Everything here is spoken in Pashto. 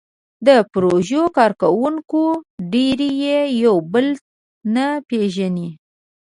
د پيژو کارکوونکي ډېری یې یو بل نه پېژني.